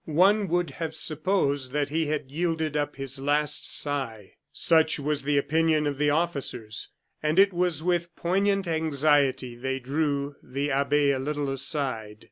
One would have supposed that he had yielded up his last sigh. Such was the opinion of the officers; and it was with poignant anxiety they drew the abbe a little aside.